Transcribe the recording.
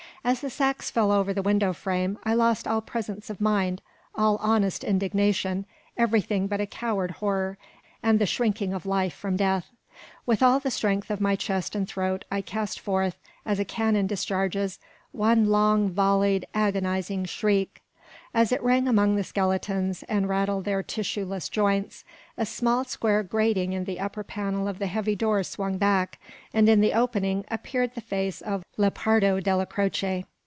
As the sacks fell over the window frame, I lost all presence of mind, all honest indignation, everything but a coward horror, and the shrinking of life from death. With all the strength of my chest and throat, I cast forth, as a cannon discharges, one long, volleyed, agonising shriek. As it rang among the skeletons, and rattled their tissue less joints, a small square grating in the upper panel of the heavy door swung back, and in the opening appeared the face of Lepardo Della Croce.